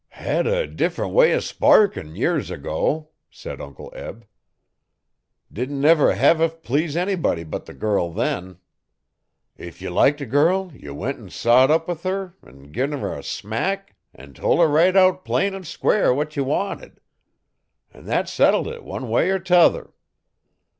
'Had a differ'nt way o' sparkin' years ago,' said Uncle Eb. 'Didn't never hev it please anybody but the girl then. If ye liked a girl ye went an' sot up with her an' gin her a smack an' tol' her right out plain an' square what ye wanted. An' thet settled it one way er t' other.